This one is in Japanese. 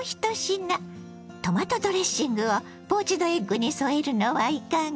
トマトドレッシングをポーチドエッグに添えるのはいかが。